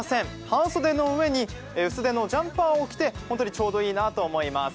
半袖の上に薄手のジャンパーを着てちょうどいいなと思います。